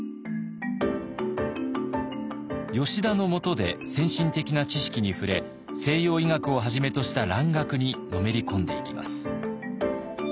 吉田のもとで先進的な知識に触れ西洋医学をはじめとした蘭学にのめり込んでいきます。